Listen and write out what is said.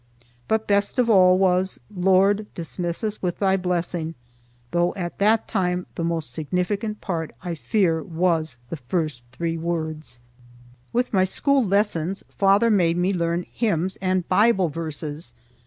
But the best of all was "Lord, dismiss us with Thy blessing," though at that time the most significant part I fear was the first three words. With my school lessons father made me learn hymns and Bible verses.